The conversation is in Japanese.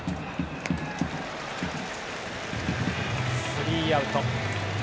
スリーアウト。